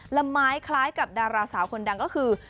ละไม้คล้ายกับดาราสาวคนดังก็คือ